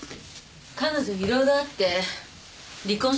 彼女色々あって離婚したんです。